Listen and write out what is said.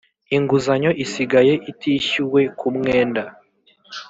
inguzanyo isigaye itishyuwe ku mwenda